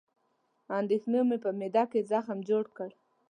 اندېښنو مې په معده کې زخم جوړ کړ